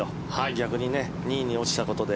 逆に２位に落ちたことで。